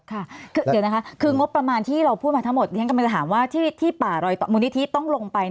ค่ะเดี๋ยวนะคะคืองบประมาณที่เราพูดมาทั้งหมดเรียนกำลังจะถามว่าที่ป่ารอยต่อมูลนิธิต้องลงไป